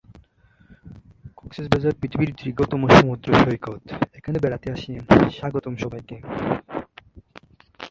তিনি বনে গিয়ে রামের সঙ্গে সাক্ষাৎ করেন এবং রামকে অযোধ্যায় প্রত্যাবর্তনের অনুরোধ জানান।